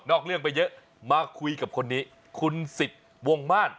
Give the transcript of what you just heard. เรื่องไปเยอะมาคุยกับคนนี้คุณสิทธิ์วงม่าน